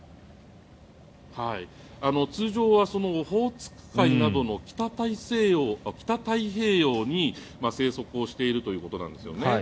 通常はオホーツク海などの北太平洋に生息をしているということなんですよね。